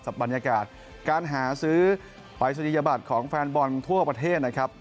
บรรยากาศการหาซื้อปรายศนียบัตรของแฟนบอลทั่วประเทศนะครับ